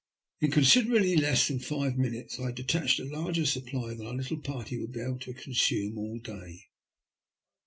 In considerably less than five minutes I had detached a larger supply than our little party would be able to consume all day.